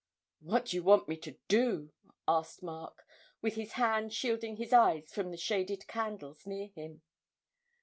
'What do you want me to do?' asked Mark, with his hand shielding his eyes from the shaded candles near him.